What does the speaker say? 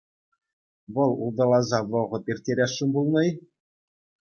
Вӑл улталаса вӑхӑт ирттересшӗн пулнӑ-и?